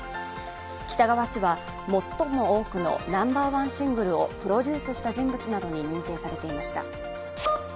喜多川氏は最も多くのナンバーワンシングルをプロデュースした人物などに認定されていました。